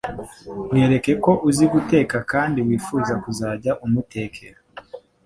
Mwereke ko uzi guteka kandi wifuza kuzajya umutekera